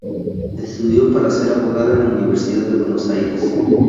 Estudió para ser abogada en la Universidad de Buenos Aires.